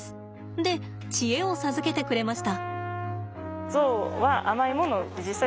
で知恵を授けてくれました。